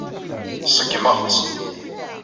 Ṣeggmeɣ-tt.